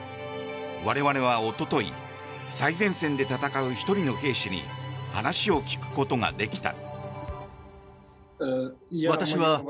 我々はおととい最前線で戦う１人の兵士に話を聞くことができた。